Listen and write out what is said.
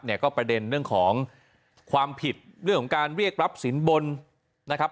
เนี่ยก็ประเด็นเรื่องของความผิดเรื่องของการเรียกรับสินบนนะครับ